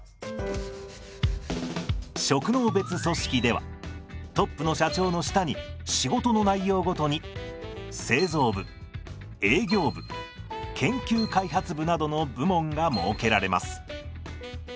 職能別組織ではトップの社長の下に仕事の内容ごとに製造部営業部研究開発部などの部門が設けられます。